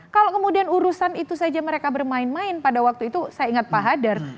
kalau kemudian urusan itu saja mereka bermain main pada waktu itu saya ingat pak hadar